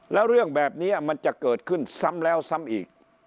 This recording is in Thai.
แล้วเรื่องแบบนี้มันจะเกิดขึ้นซ้ำแล้วซ้ำอีก